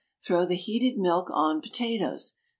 Throw the heated milk on potatoes.